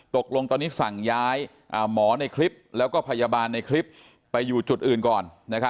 ตกลงตอนนี้สั่งย้ายหมอในคลิปแล้วก็พยาบาลในคลิปไปอยู่จุดอื่นก่อน